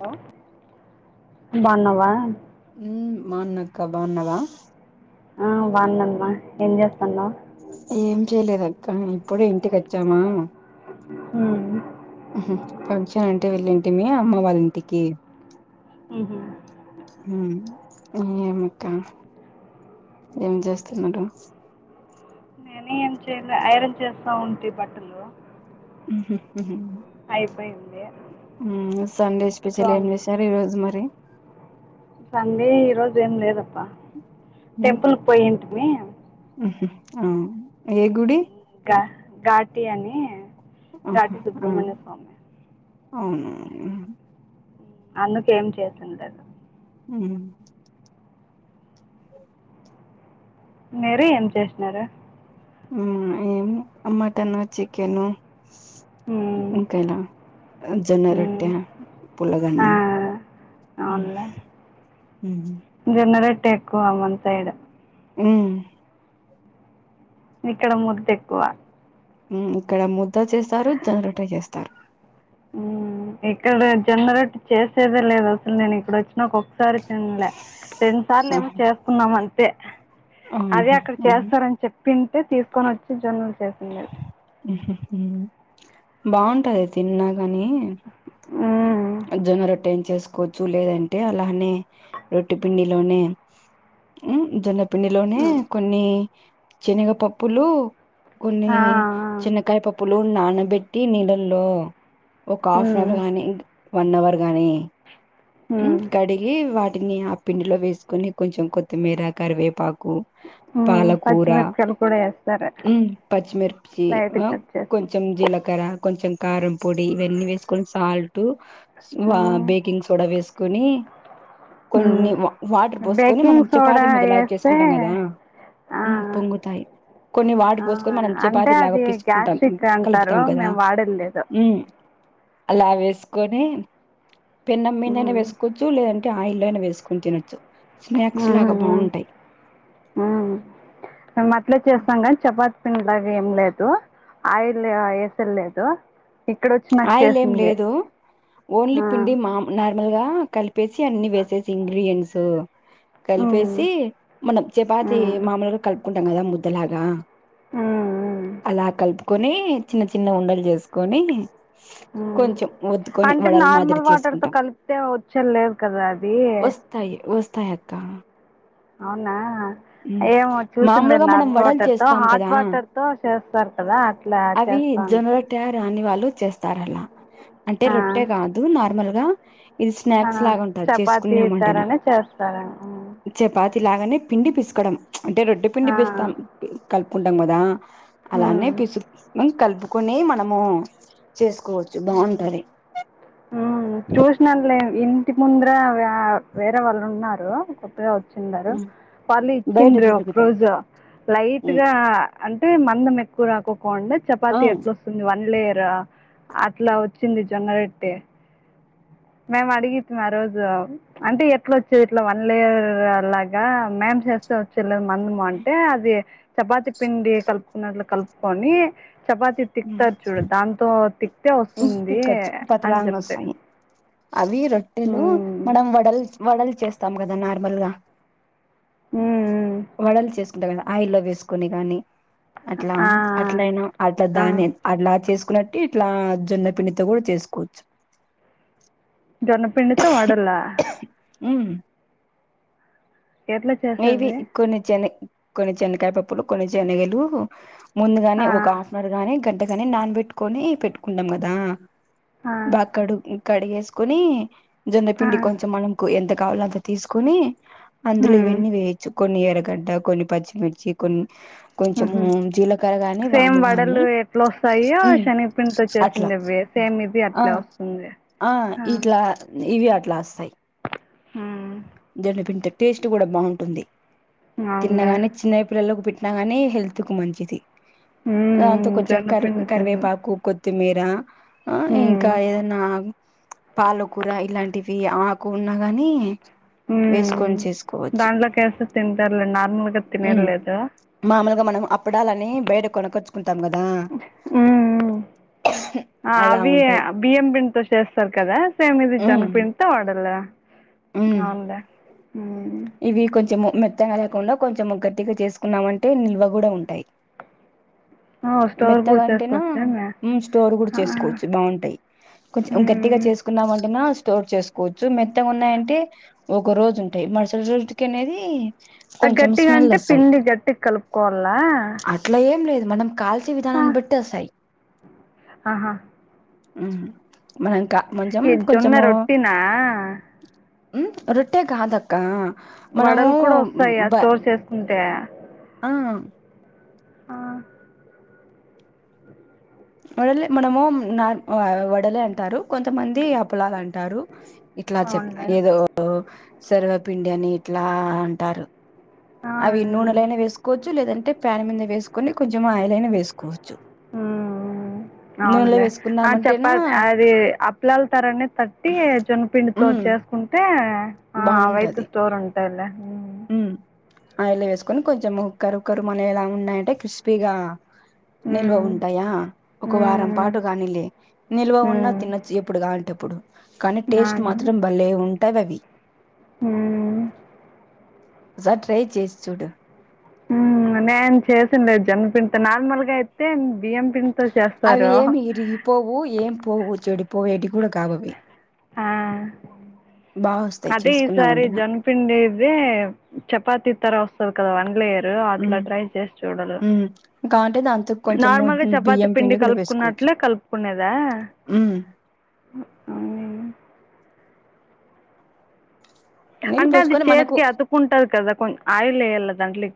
లో బాన్నవా ఉ బానక్క బాన్నవా. ఆ బానాన్నమ ఏం చేస్తాన్నావ్. ఏం చేయలేదక్క ఇప్పుడే ఇంటికి వచ్చామా హుహు ఫంక్షన్ అంటే వెళ్ళాం. తిన్నె అమ్మ వాళ్ళింటికి ఉహు ఉ ఏమక్క ఏం చేస్తున్నాడు. నేను ఏం చేయలే ఐరన్ చేస్తా ఉంటి బట్టలు అయిపోయింది హు సండే స్పెషల్ కూర్చోను ఏంచేశారు ఈ రోజు మరి అదేం లేదప్ప టెంపుల్ పోయింటి మీ హుహు అవును ఏ గుడి గా ఘాటి అని రాటి సుబ్రమణ్య స్వామి అవునవును హు అందుకేం చేసింది లేదు ఉ మీరు ఏం చేసినారు. ఉ ఏంలె మటను చికెను ఉమ్, ఓకేనా జొన్నరొట్టే ఉమ్. ఆ, పులగన్నం హు హు జొన్నరొట్టె ఎక్కువ మన సైడ్ హు ఇక్కడ ముద్ద ఎక్కువ హు ఇక్కడ ముద్ద చేస్తారు. జొన్నరొట్టె చేస్తారు. హూ ఇక్కడ జొన్నరొట్టె చేసేదే లేదు. అసలు నేను ఇక్కడ వచ్చ్ నాకు ఒకసారి తిన్లే రెండుసార్లు ఏమో ఆహ్, చేసుకుందాంమని పే అదే ఆహా అక్కడ ఉహు, చేస్తారని చెప్ తింటే తీసుకొనొచ్చి జొన్నలు చేసిండే హుహు హు బావుంటాది తిన్నా మనీ! హు జొన్నరొట్టె న చేసుకోవచ్చు. లేదంటే అలానే రొట్టి పిండిలోనే హు జొన్న పిండిలోనే మ్మ్. కొన్ని, చనిగ పప్పులు, కొన్ని ఆ, ఆ. చిన్న కాయ పప్పుల్ ప్లూన్ నానబెట్టి నీళ్ళల్లో ఒక్క హాఫ్ మ్మ్. నవ్వర్గానిక్ వన్ అవర్ గానీ హ్మ్ మ్మ్. కడిగి వాట్ కెన్ని ఆ పిండిలో వేసుకొని కొంచెం కొత్తిమీర కరివేపాకు మ్మ్. పాలకూర పచ్చిమిరపకాయలు కూడా వేస్తారు హ్మ్ పచ్చిమిర్చి లైట్ హ్మ్ కట్ చేసి కొంచెం జీలక్ క్కరా కొంచెం కారం పొడి ఇవన్నీ వేసుకొని సాల్ టు స్నువ మ్మ్. బేకింగ్ సోడా వేస్ కొని మ్మ్. కొన్ని వా వాటర్ పోసుకొని మనం బేకింగ్ సోడా చపాతి ముద్దలాగా వేస్తే చేసుకుంటాం కదా హ్మ్ ఆ. పొంగుతాయి కొన్ని ఆ వాటర్ పోసుకొని అంటే చపాతీ లాగా అది పిసుకుంటామ్ హ్మ్ గ్యాస్ట్రిక్ అంటారు కలుపుతాం కదా మేము వాడేది లేదు హ్మ్ అలా వేస్ కొనే పెన్నమ్ మీదైనా ఉమ్. వేసుకోవచ్చు లేదంటే ఆ ఆయిల్ వేసుకుని తినొచ్చు. స్నాక్స్ లాగా ఉహుమ్ బాగుంటాయి హ్మ్ మేము అట్లే చేస్తాం కానీ చపాతి పిండి లాగా ఏం లేదు. ఆయిల్ ఆ వేసేది లేదు. ఇక్కడ వచ్చినాక ఆయిల్ ఏం చేసింది లేదు. ఓన్లీ ఆ, పిండి మామ్ నార్ ర్మల్గా కలిపేసి అన్ని వేసేసి ఇంగ్రీడియంట్స్ ఉమ్, కలిపేసి మనం చపాతి ఉమ్, మామూలుగా కలుపుకుం అంగదా ముద్దలగా ఉమ్, ఉమ్, అలా కల్పు కోని చిన్న చిన్న ఉండలు చేసుకొని కొంచెం ఒత్తుకొని అంటే వడల మాదిరి నార్మల్ వాటర్తో చేసుకుంటాం కలిపితే వచ్చే లేదు కదా అది తయాక్క అవునా ఏమో చూసిందిం మామూలుగా మనం నర్మ వడలు చేస్తాం వాటర్తోహాట్ కదా వాటర్ తో చేస్తారు కదా అట్లా చేస్తాంటే చేస్తారలా అంటే రొట్టె గాదు. నార్మల్ గా ఇది ఆ స్నాక్స్ లాగా ఉంటది చపాతీ చేసుకున్నామంటేనా ఇతారంగా చేస్తారెమో హ్మ్ ఇలాగానే పిండి పిస్కాడం ప్చ్ అంటే రొడ్డ్ పిండి ఆ బిస్తాం పి కల్ కొంటాం గదా అలా అనే మ్మ్ పీసుక్ కున్ కల్పు కొనియ్ మనము చేస్క్ హు ఉహూ చుసినాలెండి ఇన్ టికి ముందర వేరే వాళ్ళు ఉన్నారు. కొత్తగా వ చ్చిండారు. వాళ్ళు బయట ఇచ్చిండ్రు ఒక దొరుకుతాయి రోజు లైట్ గా ఆ అంటే మందం ఎక్కువ రాకోకుండా ఆ చపాతి ఎట్లా వస్తుంది. వన్ లేయర్ రా అట్లా వచ్చింది జొన్నరొట్టే మేమ్ అడిగితిమి ఆ రోజు అంటే ఎట్లా వచ్చేది ఇట్లా వన్ లేయర్ లాగా మేమ్ చేస్తే వచ్చేలా మందుము అంటే అది చపాతి పిండి కలుపుకున్నట్లు కలుపుకొని చపాతి తీక్తార్ చూడు దాంతో తిక్తే వస్తుంది పిక్కచ్చు అని పతలాంగా చెప్పిరి వస్తాయి అవి రొట్టెలు మనం వడల్ వడల్ చే స్తాం కదా నార్మల్గా ఉమ్ వాడలు చేసుకో ఆయిల్లో వేసుకొని గాని అట్లా ఆ అట్లయినా అ ఆ ధా అ చేసుకున్నట్టు ఇట్లా జొన్నపిండితో కూడా చేసుకోచ్చు జొన్నపిండితో వడలా హ్మ్ ఎట్లా నీవి చేసేది కొన్ని చని కొన్ని చెనకాయ పప్పులు కొన్ని శనగలు ముందుగానే ఆ ఒక హాఫ్ అన్ అవర్ గా గంట కాని నాన బెట్టుకొని పెట్టుకుంటాం కదా ఆ బాక్కడు కడిగేసుకుని ఆ జొన్నపిండి కొంచెం మనం కు ఎంత కావలంత తీసుకుని అందులో ఉమ్ వెన్ని వేయచ్చు కొన్ని ఎరగడ్డ కొన్ని పచ్చిమిర్చి కొన్ని హ్మ్ కొంచెము హు జీలకర్ర గాని సేమ్ వాము గాని వడలు ఎట్లా వస్తాయో ఉమ్ శనిగిపండితో అట్లా చేసిండేవి సేమ్ ఇది ఆ అట్లే వస్తుంది ఆ ప్లాసై హ్మ్ జొన్న పిండితో టేస్ట్ కూడా బాంటుంది అవునులే. తిన్నగానే చిన్నై పిల్లకి పెట్టి గాని హెల్త్ కు మంచిది అ హ్మ్. అంత కొంచెం కర్ జొన్నపిండి తిన్న. కరివేపాకు కొ తిమిరా ఆ హ్మ్. ఇంకా ఏదన్నా పాలకూర ఇలాంటివి అవి ఆకున్నా గానీ హ్మ్. వేసుకొని చేసుకోవచ్చు దాంట్లోకేసి తింటారులే నార్మల్‌గా హ్మ్ తినేదిలేదు. మామూలుగా మనం అప్పడాలని బయట కొనకచ్చు హ్మ్ హ్మ్ ఆ అలా అవి ఉంటాయి బియ్యం పిండితో చేస్తారు కదా సేమ్ ఇది ఉమ్ జొన్నపిండితో వడలే ఉమ్ అవున్లే హ్మ్ ఇవి కొంచెం మెత్తంగా లేకుండా కొంచెం ముగ్గటిగా చేసుకున్నామంటే నిల్వ కూడా ఉంటాయి. ఓహ్! స్టోర్ మెత్తగా కూడా అంటేను చేసుకోవచ్చేమి? మ్మ్ స్టోర్ కూడా ఆ! చేసుకోవచ్చు. బాగుంటాయి. కొంచెం గట్టిగా హ్మ్. చేసుకున్నామంటేనా తోడ్ చేసుకోవచ్చు మెత్తగా ఉన్నాయంటే ఒక రోజు ఉంటాయి. మార్స రోజుట్కనేది ఆ గట్టిగాంటే పిండి గట్టి కలుపుకోవాలా అట్లా ఏం లేదు మనం కాల్చే ఆ, విధానాన్ని బట్టి వస్తాయ్ ఆహా ఆ హా మనం కా మంచం ఈ జొన్న కొంచెము రొట్టినా మ్మ్ రొట్టె కాదక కా వడలు కూడా వస్తాయా స్టోర్ చేసుకుంటే ఆ ఆ, వడలే మనము నార్ ఆ వడలే అంటారు. కొంతమంది అప్పలాల్ అంటారు. ఇట్లా చెప్ అవునులే ఏదో సర్వే పిండి అని ఇట్లా అంటారు. ఆ, అవి నూనెలైనా వేసుకోవచ్చు లేదంటే ప్యాన్ మీద వేసుకొని కొంచెం ఆయిల్ అయినా వేసుకోవచ్. ఉ నూనెలో అవునులే ఆ చెప్ప వేసుకున్నామంటేనా అది అప్లాల తరానే తట్టి జొన్పిండితో ఉమ్ చేసుకుంటే ఆ అవైతే స్టోర్ ఉంటాది ఆ ఊ హ్మ్ అయిల్ లో వేసుకొని కొంచెం ఉక్కరుక్కరు మానేలా ఉన్నాయంటే క్రిస్పీగా నిల్వ ఉమ్, ఉంటాయా ఒక వారం ఉమ్, పాటు కాని లే నిల్వ ఉన్నా ఉమ్, తినొచ్చు ఎప్పుడు కాఅంటే అప్పుడు కానీ టేస్ట్ మాత్రం భలే ఉం టవవి మ్మ్ ఒక్కసారి ట్రై చేసి చూడు హ్మ్ నేను చేసిండేది జన్మపిండితోనే నార్మల్గా అయితే బియ్యం పిండితో అవి చేస్తారు. ఏమి ఇరిగి పోవు ఏం పోవు చెడి పోవు ఎడిక్ గూడా కావవి ఆ బాగా వస్తాయి అదే ఈసారి చేసుకున్నామంటేనా జన్పిండిదే చపాతి తర వస్త్ [unintelligible] అన్లేయర్ లేదా అట్లా ట్రై చేసి చూడరు గాన్ నార్మల్గా చపాతి పిండి వేసుకోవచ్చు. కలుపుకున్నట్లే కలుపుకునేదా హ్మ్ నీళ్ళు అంటే అది పోసుకొని మనకు చేతికి అతుకుంటది కదా కొం ఆయిల్ వేయాల [unintelligible]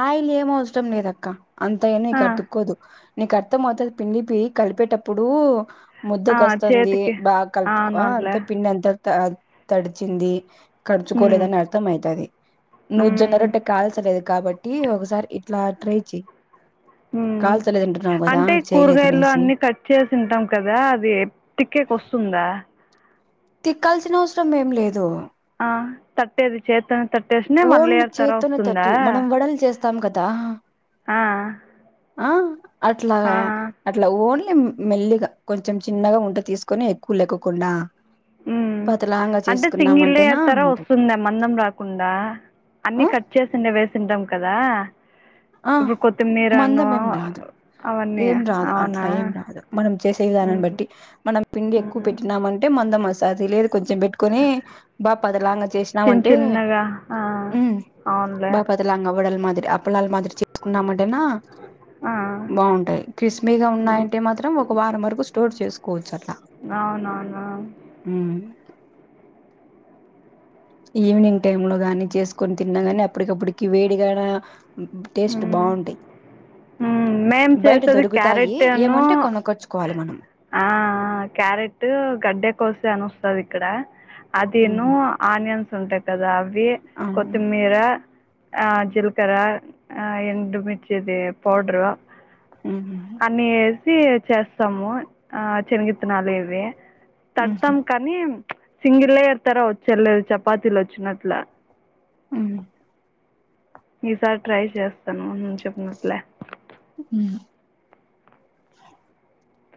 ఆ ఏమీ అవసరం లేదక్క అంత ఏమి ఆ! గతుక్కోదు నీకు అర్థం అవుతది పిండి పి కలిపేటప్పుడు ఆ! ముద్దకు వస్తుంది చేతికి బాగా కలుపుకో అవునవునులే. అంతే పిండి అంతా త తడిచింది హ్మ్. కరుచుకోలేదని అర్థం అయితది. నువ్ జొన్న హ్మ్. రొట్టె కాల్చలేద్ కాబట్ ట్టి ఒకసారి ఇట్లా ట్రై చేయ్ అంటే కూరగాయల్లో చేయలేదనేసి అన్ని కట్ చేసింటాం కదా అది పికిల్ కి వస్తుందా తిక్కాల్సిన అవసరం ఏం లేదు త ఓన్లీ చేత్తోనే వస్తుందా తట్టి మనం వడలు చేస్తాం కదా ఆ ఆ ఆ అట్లగా అట్లా ఓన్లీ మెల్లిగా కొంచెం చిన్నగా ఉంట తీసుకొని ఎక్కువ లేకోకుండా హ్మ్ పతలాంగ అంటే చేసుకున్నామ సింగిల్ అంటేనా లేయర్ తర ఉంటాయి వస్తుందా మందం రాకుండా అన్ని ఆ కట్ చేసిండే వేసి తింటాం కదా ఆ ఇప్పుడు కొత్తిమీరను మందమేం రాదు అవన్నీ ఏం రాదు అట్లా అవునా ఏం రాదు మనం చేసే విధానాన్ని హ్మ్ బట్టి మనం పిండి ఎక్కువ హ్మ్ పెట్టినాము అంటే మందం వస్తు ది లేదు కొంచెం పెట్టుకొని బా పతలాంగ చేసినాం చిన్న అంటే చిన్నగా ఆ అవునులే బా పతలాంగ వడలు మాదిరి అప్పలాల్ మాదిరి చేసుకున్నామంటేనా ఆ బాగుంటాయి. క్రిస్పిగా హ్మ్. ఉన్నాయంటే మాత్రం ఒక వారం వరకు స్టోర్ చేసు అవునవునా ఉమ్ ఈవినింగ్ టైమ్ లో గాని చేసుకొని తిన్నా గాని అప్పటికప్పుటికి వేడిగాన టేస్ట్ బాగుంటాయి మేం బయట చేస్తుంది దొరుకుతాయి క్యారెట్ ను ఏమంటే కొనకొచ్చుకోవాలి మనం ఆ క్యారెట్ గడ్డె కోస అని వస్తది ఇక్కడ అదేను ఉహు ఆనియన్స్ ఉంటాయి కదా పే అవును కొత్తిమీర ఆ జిలకర ఆ ఎండు మిర్చి ది పౌడ్రు మ్మ్ హు సి చేస్తాము ఆ శనగిత్తనాలు ఏసి ఉహు తడ్తామ్ కానీ సింగిల్ లేయర్ తర వచ్చేద్లేదు చపాతీలు వచ్చినట్ల హ్మ్ ఈసారి ట్రై చేస్తాను నువు చెప్పినట్లే హ్మ్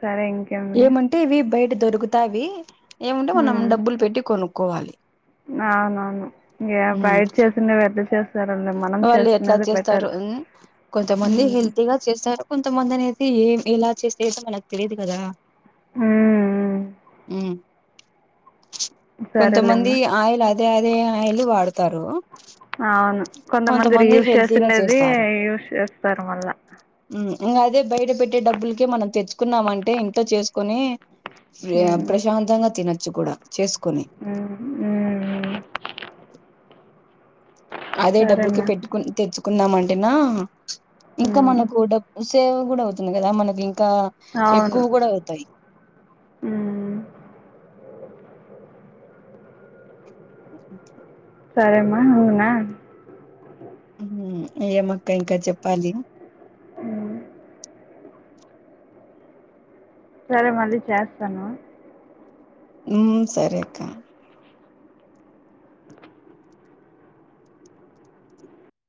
సరే ఇంకేమి ఏమంటే ఇవి బయట దొరుకుతావి ఏముంటే మనం డబ్బులు పెట్టి కొను కోవాలి అవునవును ఏ బయట చేసిండే ఎట్ల చేస్ వాళ్ళు ఎట్లా చేస్తారు ఊ కొంతమంది ఉమ్ హింటిగా చేస్తారు. కొంతమందిని ది ఏం ఇలా చేస్తే ఏదో మనకు తెలీదు కదా ఉమ్ హ్మ్ కొంత మంది సరేలేమ్మా ఆయలా అదే అదే ఆయిలు వాడతారు ఆ కొంతమంది రీయూజ్ హెల్తీగా చేసిండేది చేస్తారు యూజ్ చేస్తారు మల్ల ఇగ అదే బయట పెట్టే డబ్బులకే మనం తెచ్చుకున్నామంటే ఇంట్లో చేసుకొని శ్రేయ ఉమ్ ప్రశాంతంగా తిన చుకుడ చేసుకొని ఉమ్ ఉమ్ అదే డబ్బులకి సరేమ్మా పెట్టుకుని తెచ్చు కొందామంటినా ఇంకా ఉమ్ మనకు డబ్బు సు సేవ్ కూడా అవుతుంది కదా మనకి ఇంకా ఎక్కువ అవును కూడా అవుతాయి. ఉమ్ సరే అమ్మ ఉన్నా హ్మ్ ఏం అక్క ఇంకా చెప్పాలి హ్మ్ సరే మళ్లీ చేస్తాను. హ్మ్ సరే అక్క